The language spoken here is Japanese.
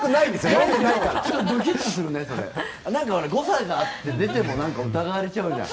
誤差があって出ても疑われちゃうじゃん。